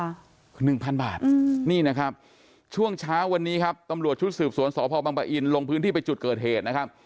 หนึ่งพันบาทอืมนี่นะครับช่วงเช้าวันนี้ครับตำรวจชุดสืบสวนสพบังปะอินลงพื้นที่ไปจุดเกิดเหตุนะครับ